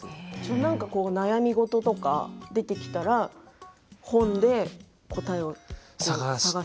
何か悩み事とか出てきたら本で答えを探して？